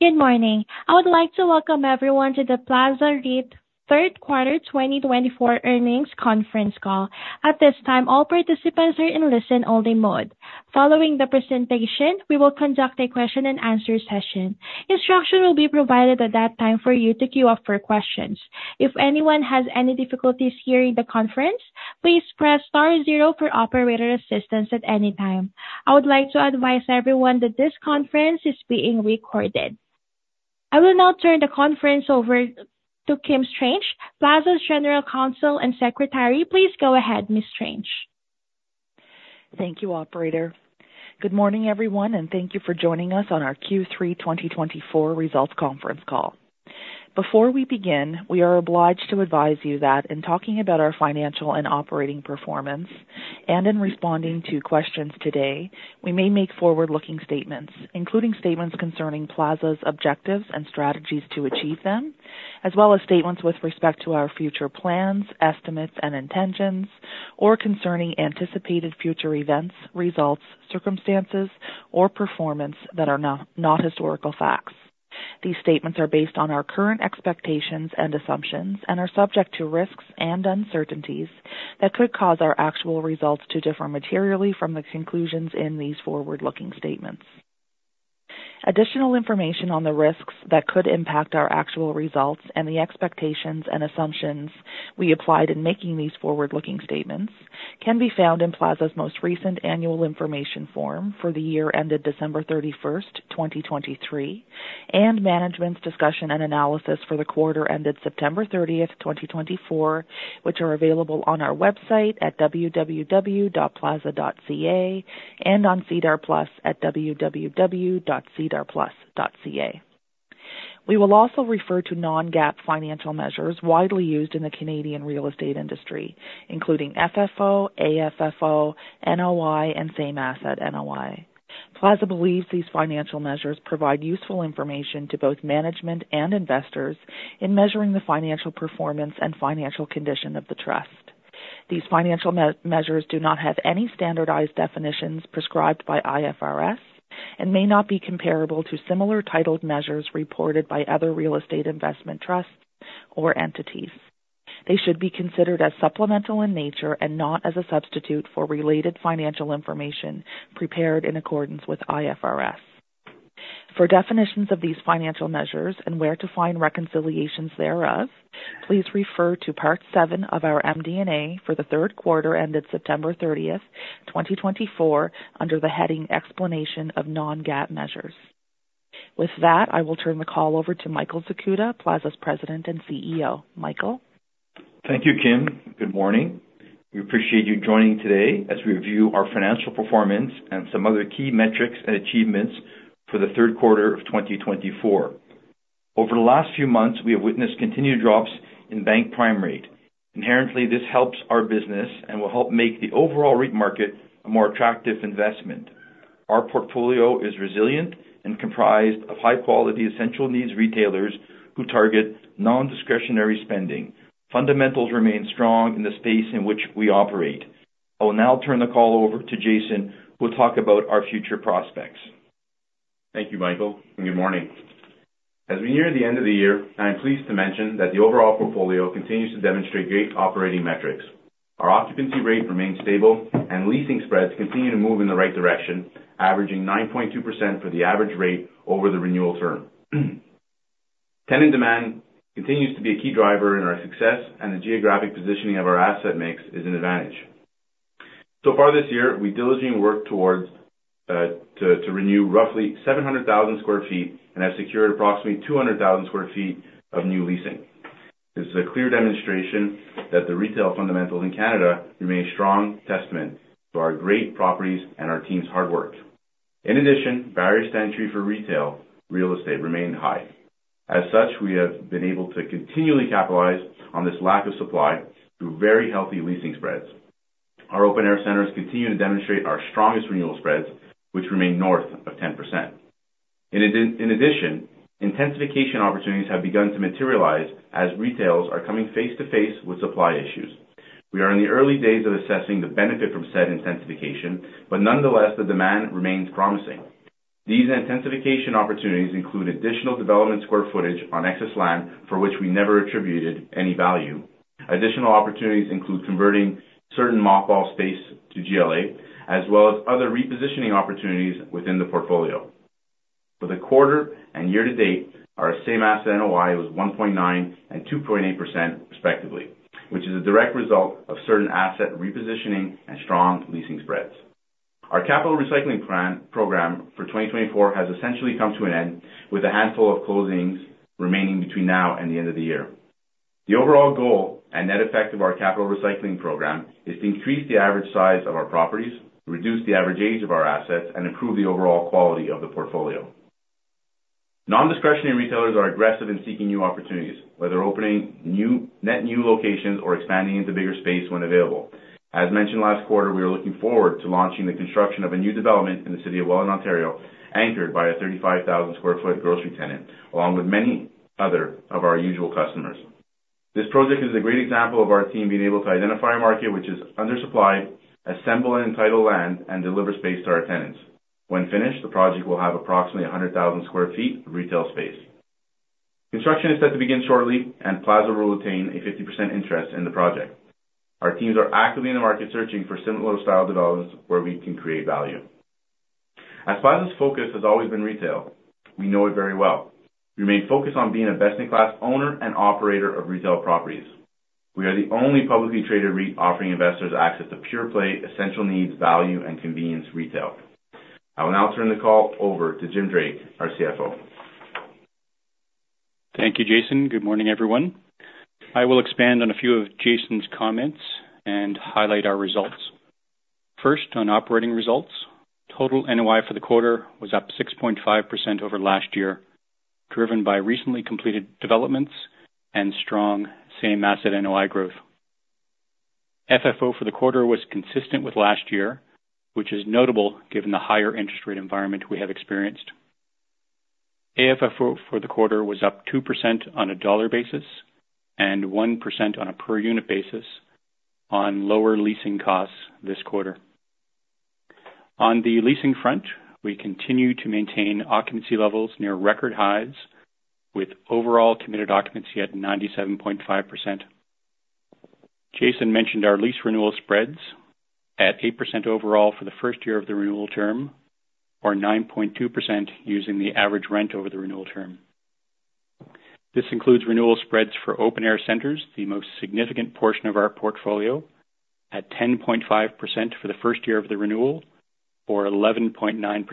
Good morning. I would like to welcome everyone to the Plaza REIT Third Quarter 2024 Earnings Conference Call. At this time, all participants are in listen-only mode. Following the presentation, we will conduct a question-and-answer session. Instruction will be provided at that time for you to queue up for questions. If anyone has any difficulties hearing the conference, please press star zero for operator assistance at any time. I would like to advise everyone that this conference is being recorded. I will now turn the conference over to Kim Strange, Plaza's General Counsel and Secretary. Please go ahead, Ms. Strange. Thank you, Operator. Good morning, everyone, and thank you for joining us on our Q3 2024 Results Conference Call. Before we begin, we are obliged to advise you that in talking about our financial and operating performance and in responding to questions today, we may make forward-looking statements, including statements concerning Plaza's objectives and strategies to achieve them, as well as statements with respect to our future plans, estimates, and intentions, or concerning anticipated future events, results, circumstances, or performance that are not historical facts. These statements are based on our current expectations and assumptions and are subject to risks and uncertainties that could cause our actual results to differ materially from the conclusions in these forward-looking statements. Additional information on the risks that could impact our actual results and the expectations and assumptions we applied in making these forward-looking statements can be found in Plaza's most recent Annual Information Form for the year ended December 31st, 2023, and Management's Discussion and Analysis for the quarter ended September 30th, 2024, which are available on our website at www.plaza.ca and on SEDAR+ at www.sedarplus.ca. We will also refer to non-GAAP financial measures widely used in the Canadian real estate industry, including FFO, AFFO, NOI, and Same Asset NOI. Plaza believes these financial measures provide useful information to both management and investors in measuring the financial performance and financial condition of the trust. These financial measures do not have any standardized definitions prescribed by IFRS and may not be comparable to similar titled measures reported by other real estate investment trusts or entities. They should be considered as supplemental in nature and not as a substitute for related financial information prepared in accordance with IFRS. For definitions of these financial measures and where to find reconciliations thereof, please refer to Part 7 of our MD&A for the third quarter ended September 30th, 2024, under the heading Explanation of Non-GAAP Measures. With that, I will turn the call over to Michael Zakuta, Plaza's President and CEO. Michael. Thank you, Kim. Good morning. We appreciate you joining today as we review our financial performance and some other key metrics and achievements for the third quarter of 2024. Over the last few months, we have witnessed continued drops in bank prime rate. Inherently, this helps our business and will help make the overall REIT market a more attractive investment. Our portfolio is resilient and comprised of high-quality essential needs retailers who target non-discretionary spending. Fundamentals remain strong in the space in which we operate. I will now turn the call over to Jason, who will talk about our future prospects. Thank you, Michael, and good morning. As we near the end of the year, I'm pleased to mention that the overall portfolio continues to demonstrate great operating metrics. Our occupancy rate remains stable, and leasing spreads continue to move in the right direction, averaging 9.2% for the average rate over the renewal term. Tenant demand continues to be a key driver in our success, and the geographic positioning of our asset mix is an advantage. So far this year, we diligently worked to renew roughly 700,000 sq ft and have secured approximately 200,000 sq ft of new leasing. This is a clear demonstration that the retail fundamentals in Canada remain a strong testament to our great properties and our team's hard work. In addition, barriers to entry for retail real estate remain high. As such, we have been able to continually capitalize on this lack of supply through very healthy leasing spreads. Our open-air centers continue to demonstrate our strongest renewal spreads, which remain north of 10%. In addition, intensification opportunities have begun to materialize as retailers are coming face-to-face with supply issues. We are in the early days of assessing the benefit from said intensification, but nonetheless, the demand remains promising. These intensification opportunities include additional development square footage on excess land for which we never attributed any value. Additional opportunities include converting certain mop-up space to GLA, as well as other repositioning opportunities within the portfolio. For the quarter and year-to-date, our Same Asset NOI was 1.9% and 2.8%, respectively, which is a direct result of certain asset repositioning and strong leasing spreads. Our capital recycling program for 2024 has essentially come to an end, with a handful of closings remaining between now and the end of the year. The overall goal and net effect of our capital recycling program is to increase the average size of our properties, reduce the average age of our assets, and improve the overall quality of the portfolio. Non-discretionary retailers are aggressive in seeking new opportunities, whether opening net new locations or expanding into bigger space when available. As mentioned last quarter, we are looking forward to launching the construction of a new development in the city of Welland, Ontario, anchored by a 35,000 sq ft grocery tenant, along with many other of our usual customers. This project is a great example of our team being able to identify a market which is undersupplied, assemble and entitle land, and deliver space to our tenants. When finished, the project will have approximately 100,000 sq ft of retail space. Construction is set to begin shortly, and Plaza will retain a 50% interest in the project. Our teams are actively in the market searching for similar style developments where we can create value. As Plaza's focus has always been retail, we know it very well. We remain focused on being a best-in-class owner and operator of retail properties. We are the only publicly traded REIT offering investors access to pure play, essential needs, value, and convenience retail. I will now turn the call over to Jim Drake, our CFO. Thank you, Jason. Good morning, everyone. I will expand on a few of Jason's comments and highlight our results. First, on operating results, total NOI for the quarter was up 6.5% over last year, driven by recently completed developments and strong Same Asset NOI growth. FFO for the quarter was consistent with last year, which is notable given the higher interest rate environment we have experienced. AFFO for the quarter was up 2% on a dollar basis and 1% on a per-unit basis on lower leasing costs this quarter. On the leasing front, we continue to maintain occupancy levels near record highs, with overall committed occupancy at 97.5%. Jason mentioned our lease renewal spreads at 8% overall for the first year of the renewal term, or 9.2% using the average rent over the renewal term. This includes renewal spreads for open-air centers, the most significant portion of our portfolio, at 10.5% for the first year of the renewal, or 11.9%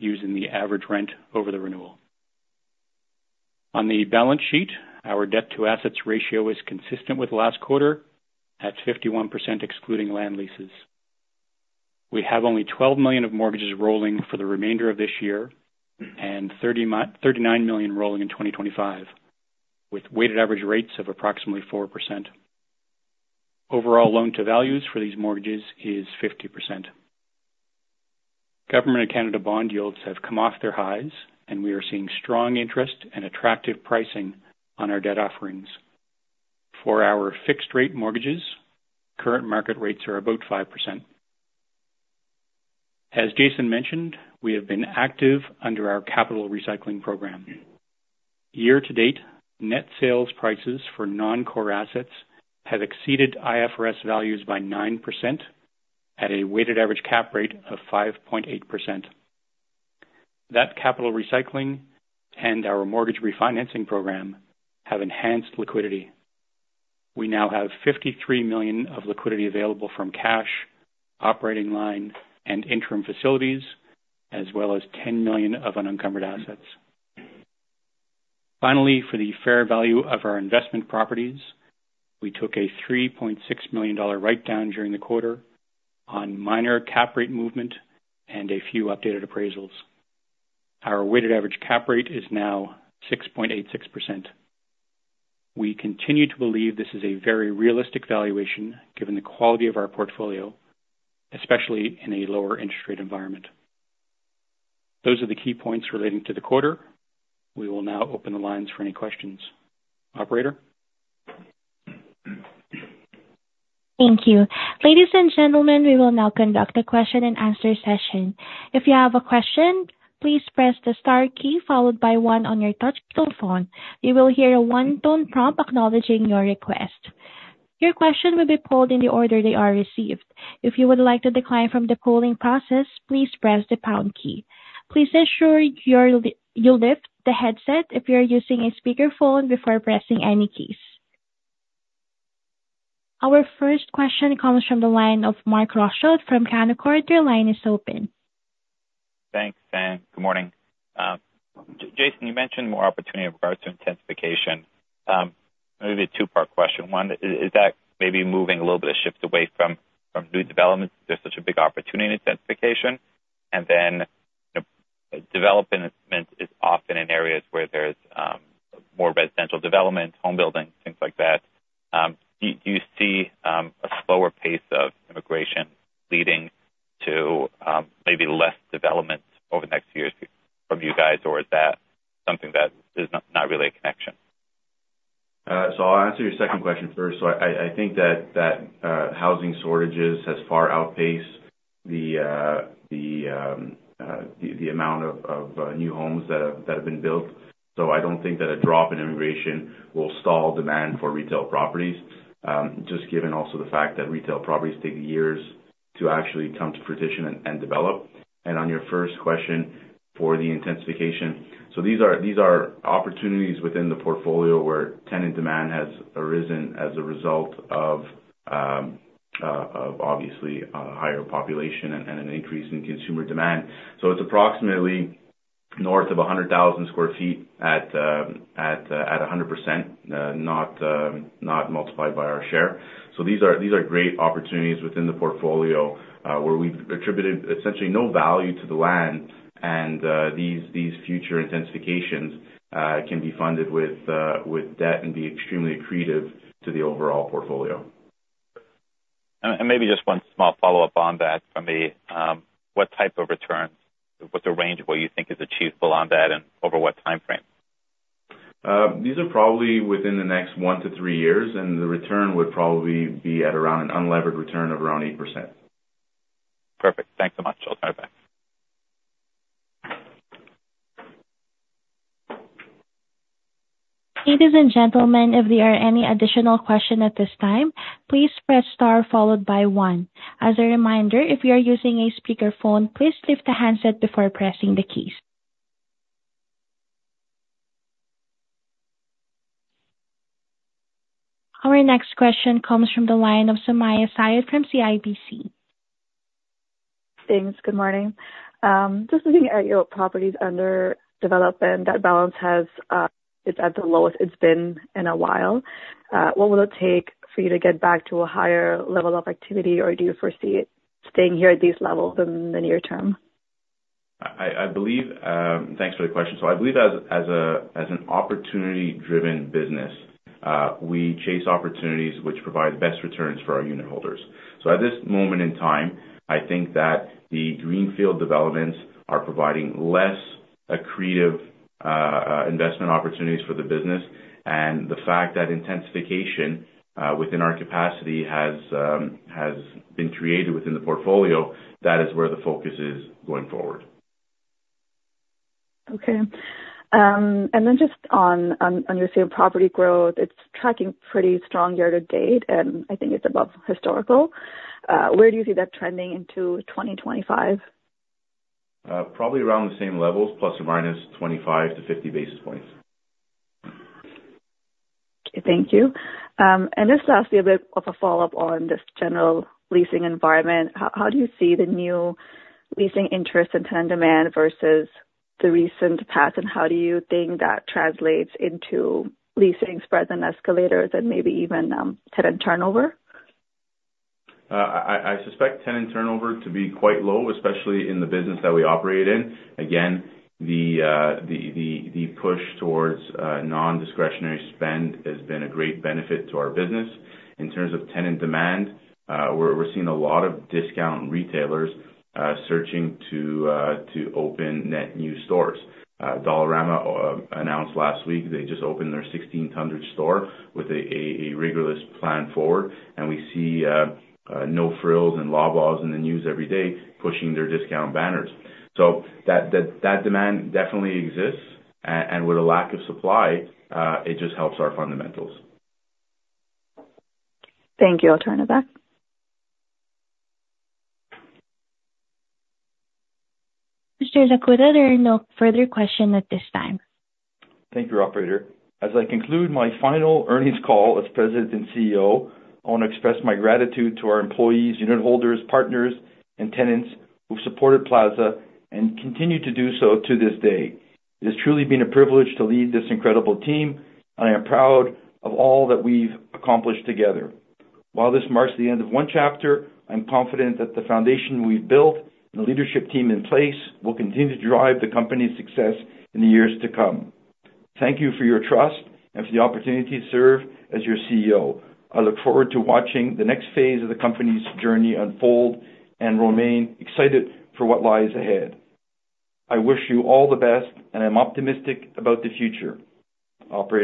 using the average rent over the renewal. On the balance sheet, our debt-to-assets ratio is consistent with last quarter at 51% excluding land leases. We have only $12 million of mortgages rolling for the remainder of this year and $39 million rolling in 2025, with weighted average rates of approximately 4%. Overall loan-to-values for these mortgages is 50%. Government of Canada bond yields have come off their highs, and we are seeing strong interest and attractive pricing on our debt offerings. For our fixed-rate mortgages, current market rates are about 5%. As Jason mentioned, we have been active under our capital recycling program. Year-to-date, net sales prices for non-core assets have exceeded IFRS values by 9% at a weighted average cap rate of 5.8%. That capital recycling and our mortgage refinancing program have enhanced liquidity. We now have 53 million of liquidity available from cash, operating line, and interim facilities, as well as 10 million of unencumbered assets. Finally, for the fair value of our investment properties, we took a 3.6 million dollar write-down during the quarter on minor cap rate movement and a few updated appraisals. Our weighted average cap rate is now 6.86%. We continue to believe this is a very realistic valuation given the quality of our portfolio, especially in a lower interest rate environment. Those are the key points relating to the quarter. We will now open the lines for any questions. Operator. Thank you. Ladies and gentlemen, we will now conduct a question-and-answer session. If you have a question, please press the star key followed by one on your touch-tone phone. You will hear a one-tone prompt acknowledging your request. Your question will be polled in the order they are received. If you would like to decline from the polling process, please press the pound key. Please ensure you lift the headset if you are using a speakerphone before pressing any keys. Our first question comes from the line of Mark Rothschild from Canaccord. Line is open. Thanks, Sam. Good morning. Jason, you mentioned more opportunity in regards to intensification. Maybe a two-part question. One, is that maybe moving a little bit of shift away from new developments? There's such a big opportunity in intensification. And then development is often in areas where there's more residential development, home buildings, things like that. Do you see a slower pace of immigration leading to maybe less development over the next few years from you guys, or is that something that is not really a connection? So I'll answer your second question first. So I think that housing shortages has far outpaced the amount of new homes that have been built. So I don't think that a drop in immigration will stall demand for retail properties, just given also the fact that retail properties take years to actually come to fruition and develop. And on your first question for the intensification, so these are opportunities within the portfolio where tenant demand has arisen as a result of, obviously, higher population and an increase in consumer demand. So it's approximately north of 100,000 sq ft at 100%, not multiplied by our share. So these are great opportunities within the portfolio where we've attributed essentially no value to the land, and these future intensifications can be funded with debt and be extremely accretive to the overall portfolio. And maybe just one small follow-up on that from me. What type of returns? What's the range of what you think is achievable on that and over what time frame? These are probably within the next one to three years, and the return would probably be at around an unlevered return of around 8%. Perfect. Thanks so much. I'll turn it back. Ladies and gentlemen, if there are any additional questions at this time, please press star followed by one. As a reminder, if you are using a speakerphone, please lift the handset before pressing the keys. Our next question comes from the line of Sumayya Syed from CIBC. Thanks. Good morning. Just looking at your properties under development, that balance has been at the lowest. It's been in a while. What will it take for you to get back to a higher level of activity, or do you foresee it staying here at these levels in the near term? I believe. Thanks for the question. So I believe as an opportunity-driven business, we chase opportunities which provide best returns for our unit holders. So at this moment in time, I think that the greenfield developments are providing less accretive investment opportunities for the business. And the fact that intensification within our capacity has been created within the portfolio, that is where the focus is going forward. Okay. And then just on your same property growth, it's tracking pretty strong year-to-date, and I think it's above historical. Where do you see that trending into 2025? Probably around the same levels, ± 25-50 basis points. Thank you. And just lastly, a bit of a follow-up on this general leasing environment. How do you see the new leasing interest and tenant demand versus the recent path, and how do you think that translates into leasing spreads, and escalators and maybe even tenant turnover? I suspect tenant turnover to be quite low, especially in the business that we operate in. Again, the push towards non-discretionary spend has been a great benefit to our business. In terms of tenant demand, we're seeing a lot of discount retailers searching to open net new stores. Dollarama announced last week they just opened their 1,600th store with a rigorous plan forward, and we see No Frills and Loblaw in the news every day pushing their discount banners, so that demand definitely exists, and with a lack of supply, it just helps our fundamentals. Thank you. I'll turn it back. Mr. Zakuta, there are no further questions at this time. Thank you, Operator. As I conclude my final earnings call as President and CEO, I want to express my gratitude to our employees, unit holders, partners, and tenants who've supported Plaza and continue to do so to this day. It has truly been a privilege to lead this incredible team, and I am proud of all that we've accomplished together. While this marks the end of one chapter, I'm confident that the foundation we've built and the leadership team in place will continue to drive the company's success in the years to come. Thank you for your trust and for the opportunity to serve as your CEO. I look forward to watching the next phase of the company's journey unfold and remain excited for what lies ahead. I wish you all the best, and I'm optimistic about the future. Operator.